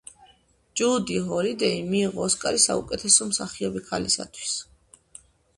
ჯუდი ჰოლიდეიმ მიიღო ოსკარი საუკეთესო მსახიობი ქალისთვის.